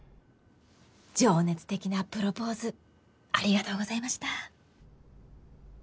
情熱的なプロポーズありがとうございました。